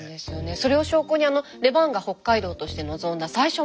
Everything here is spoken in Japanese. それを証拠にレバンガ北海道として臨んだ最初のホームゲーム。